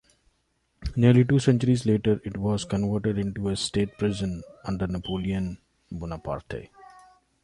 Nearly two centuries later it was converted into a state prison under Napoleon Bonaparte.